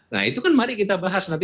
nah itu kan mari kita bahas nanti